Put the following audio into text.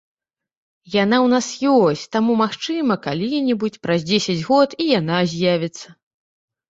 Яна ў нас ёсць, таму, магчыма, калі-небудзь, праз дзесяць год і яна з'явіцца.